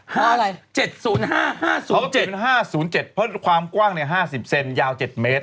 เขาเขียน๕๐๗เพราะความกว้างเนี่ย๕๐เซนยาว๗เมตร